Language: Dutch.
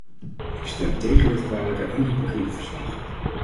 Ik stem tegen dit kwalijke en hypocriete verslag.